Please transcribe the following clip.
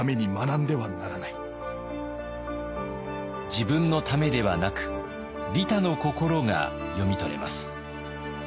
自分のためではなく利他の心が読み取れます。